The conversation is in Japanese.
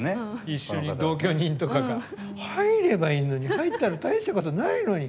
一緒に、同居人とかが入ればいいのに入ったらたいしたことないのに！